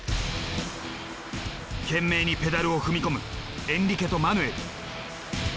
懸命にペダルを踏み込むエンリケとマヌエル。